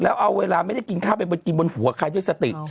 เอาเวลาไม่ได้กินค่าให้กินบนหัวใครด้วยสติ